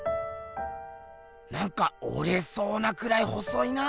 なんかおれそうなくらい細いな。